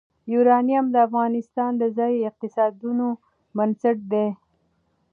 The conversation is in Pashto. یورانیم د افغانستان د ځایي اقتصادونو بنسټ دی.